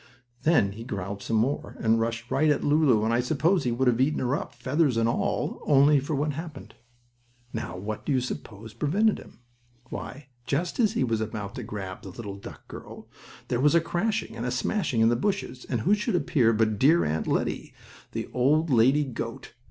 Then he growled some more, and rushed right at Lulu, and I suppose he would have eaten her up, feathers and all, only for what happened. Now, what do you suppose prevented him? Why, just as he was about to grab the little duck girl there was a crashing and a smashing in the bushes and who should appear but dear Aunt Lettie, the old lady goat!